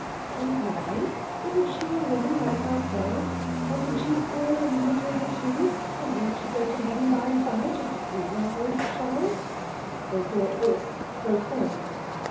"And why? Isn't she a woman like ourselves? Wasn't she poor and miserable too? And won't she go to heaven by and by, just as we, I hope, shall?" They thought this profane.